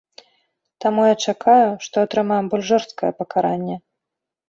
Таму я чакаю, што атрымаю больш жорсткае пакаранне.